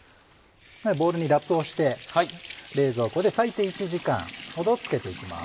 ボウルにラップをして冷蔵庫で最低１時間ほど漬けていきます。